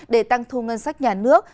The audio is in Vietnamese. để tăng thu ngân sách nhà nước